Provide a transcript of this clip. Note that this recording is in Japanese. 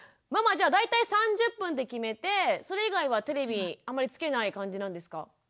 ママじゃあ大体３０分って決めてそれ以外はテレビあんまりつけない感じなんですか？